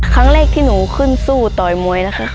ครั้งแรกที่หนูขึ้นสู้ต่อยมวยนะคะ